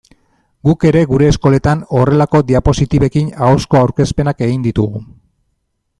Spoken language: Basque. Guk ere gure eskoletan horrelako diapositibekin ahozko aurkezpenak egin ditugu.